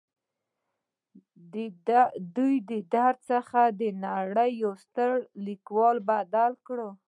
دې درد هغه د نړۍ پر یوه ستر لیکوال بدل کړ